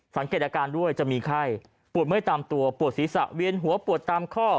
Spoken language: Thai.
สังเกตอาการด้วยจะมีไข้ปวดเมื่อยตามตัวปวดศีรษะเวียนหัวปวดตามข้อ